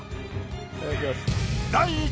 お願いします。